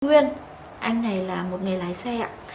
nguyên anh này là một người lái xe ạ